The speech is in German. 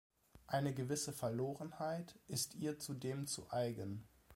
Eine gewisse Verlorenheit ist ihr zudem zu eigen.